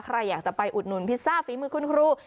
ใครอยากจะไปอุดหนุนพิซซ่าฝีมือคุณครู